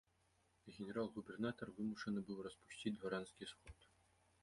Генерал-губернатар вымушаны быў распусціць дваранскі сход.